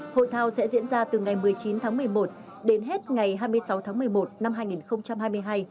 hội thao sẽ diễn ra từ ngày một mươi chín tháng một mươi một đến hết ngày hai mươi sáu tháng một mươi một năm hai nghìn hai mươi hai